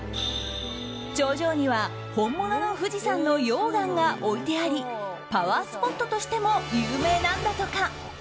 頂上には本物の富士山の溶岩が置いてありパワースポットとしても有名なんだとか。